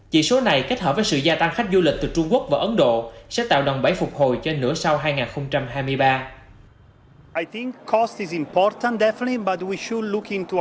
chỉ số này kết hợp với sự gia tăng khách du lịch từ trung quốc và ấn độ sẽ tạo đòn bẫy phục hồi cho nửa sau hai nghìn hai mươi ba